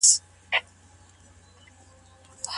فقهاوو د منځګړو لپاره کوم شرطونه ايښي دي؟